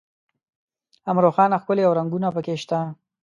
هم روښانه او ښکلي رنګونه په کې شته.